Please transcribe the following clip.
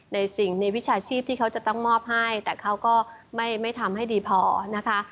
ในสิ่งในวิชาชีพที่เขาจะต้องมอบให้แต่เขาก็ไม่ทำให้ดีพอนะคะ